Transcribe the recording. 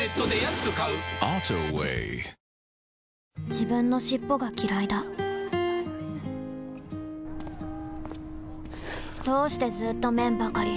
自分の尻尾がきらいだどうしてずーっと麺ばかり！